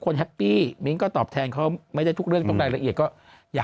แฮปปี้มิ้งก็ตอบแทนเขาไม่ได้ทุกเรื่องทุกรายละเอียดก็อย่า